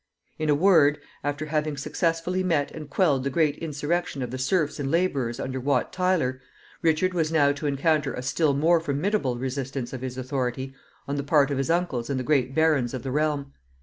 In a word, after having successfully met and quelled the great insurrection of the serfs and laborers under Wat Tyler, Richard was now to encounter a still more formidable resistance of his authority on the part of his uncles and the great barons of the realm.